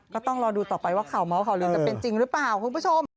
ก็ต้องรอดูต่อไปว่าข่าวเมาส์ข่าวลือจะเป็นจริงหรือเปล่าคุณผู้ชม